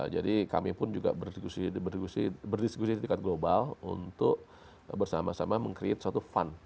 jadi kami pun juga berdiskusi di tingkat global untuk bersama sama menciptakan suatu fund